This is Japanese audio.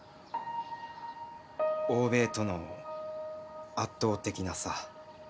欧米との圧倒的な差。